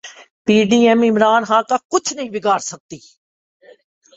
پی D M Imran Khan کا کچھ نہیں بگاڑسکتی